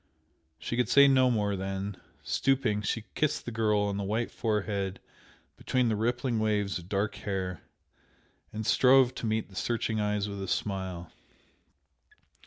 She could say no more then, stooping, she kissed the girl on the white forehead between the rippling waves of dark hair, and strove to meet the searching eyes with a smile.